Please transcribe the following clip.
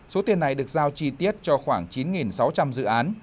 số tiền này được giao chi tiết cho khoảng chín sáu trăm linh dự án